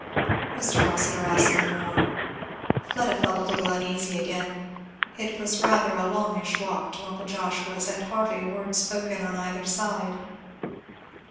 Mr. Rossitur asked no more. Fleda felt a little uneasy again. It was rather a longish walk to uncle Joshua's, and hardly a word spoken on either side.